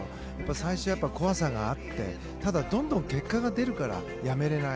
最初は怖さがあってどんどん結果が出るからやめられない。